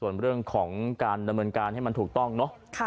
ส่วนเรื่องของการดำเนินการให้มันถูกต้องเนอะ